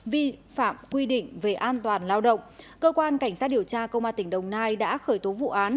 vi phạm quy định về an toàn lao động cơ quan cảnh sát điều tra công an tỉnh đồng nai đã khởi tố vụ án